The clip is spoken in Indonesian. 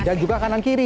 dan juga kanan kiri